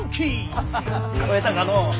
アハハ聞こえたかのう？